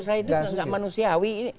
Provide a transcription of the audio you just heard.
saya itu gak manusiawi